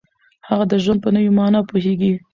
هغه د ژوند په نوې معنا پوهیږي.